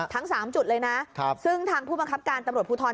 ทั้ง๓จุดเลยนะซึ่งทางผู้บังคับการตำรวจภูทร